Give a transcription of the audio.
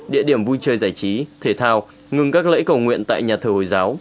địa điểm vui chơi giải trí thể thao ngừng các lễ cầu nguyện tại nhà thờ hồi giáo